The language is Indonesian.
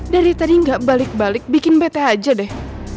dari tadi gak balik balik bikin beteh aja deh